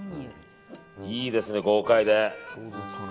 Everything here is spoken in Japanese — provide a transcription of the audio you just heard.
いいですね、豪快で。